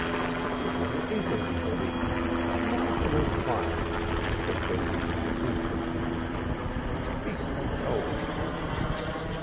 "But where is everybody? And why is there no fire?" said Benjamin impatiently. "It's beastly cold."